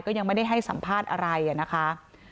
ก็ยังไม่ได้ให้สัมภาษณ์อะไรนะคะ